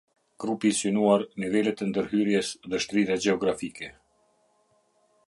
Grupii synuar, nivelet e ndërkyrjes dhe shtrirja gjeografike.